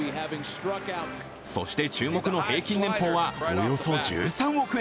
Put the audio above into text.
そして、注目の平均年俸はおよそ１３億円。